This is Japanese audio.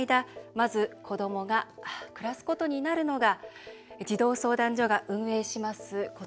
まず、子どもが暮らすことになるのが児童相談所が運営します